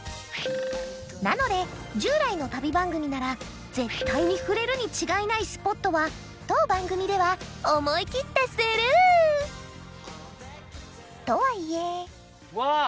なので従来の旅番組なら絶対に触れるに違いないスポットは当番組では思い切ってスルー！とはいえわあ！